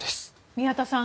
宮田さん